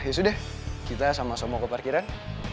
ya sudah kita sama sama ke parkiran